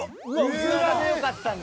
うずらでよかったんだ。